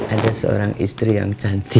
ada seorang istri yang cantik